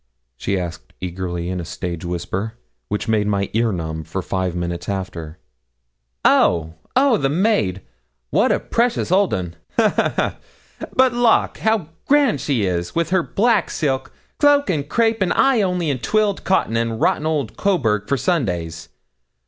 she asked eagerly, in a stage whisper, which made my ear numb for five minutes after. 'Oh, oh, the maid! and a precious old 'un ha, ha, ha! But lawk! how grand she is, with her black silk, cloak and crape, and I only in twilled cotton, and rotten old Coburg for Sundays.